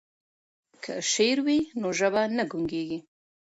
که شعر وي نو ژبه نه ګونګیږي.